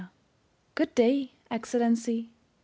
Good day, Excellency.